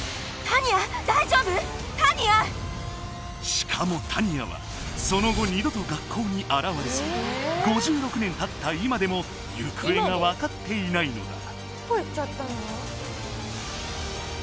タニアしかもタニアはその後二度と学校に現れず５６年たった今でも行方が分かっていないのだ